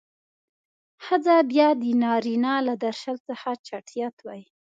ښځه بيا د نارينه له درشل څخه چټيات وايي.